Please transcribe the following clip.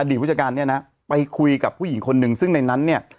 ผู้จัดการเนี่ยนะไปคุยกับผู้หญิงคนหนึ่งซึ่งในนั้นเนี่ย